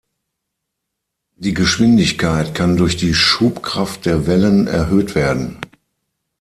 Die Geschwindigkeit kann durch die Schubkraft der Wellen erhöht werden.